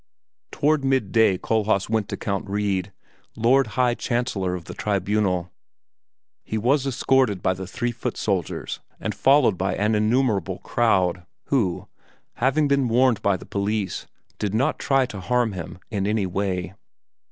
Toward midday Kohlhaas went to Count Wrede, Lord High Chancellor of the Tribunal; he was escorted by his three foot soldiers and followed by an innumerable crowd, who, having been warned by the police, did not try to harm him in any way.